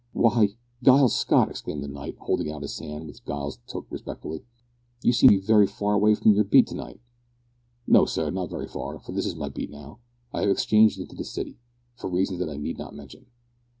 "Why, Giles Scott!" exclaimed the knight, holding out his hand, which Giles shook respectfully, "you seem to be very far away from your beat to night." "No, sir, not very far, for this is my beat, now. I have exchanged into the city, for reasons that I need not mention."